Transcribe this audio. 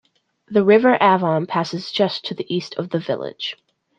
The River Avon passes just to the east of the village.